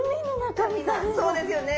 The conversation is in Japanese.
そうですよね。